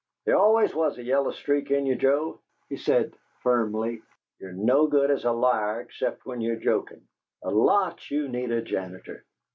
"There always was a yellow streak in you, Joe," he said, firmly. "You're no good as a liar except when you're jokin'. A lot you need a janitor!